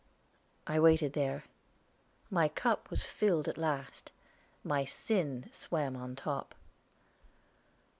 I waited there. My cup was filled at last. My sin swam on the top.